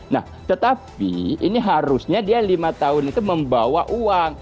nah tetapi ini harusnya dia lima tahun itu membawa uang